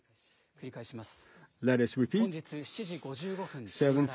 繰り返します。